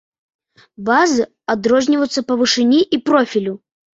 Базы адрозніваюцца па вышыні і профілю.